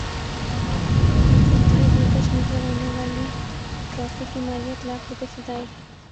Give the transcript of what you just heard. پی S L three دلکش نظر نے والی ٹرافی کی مالیت لاکھ روپے سے زائد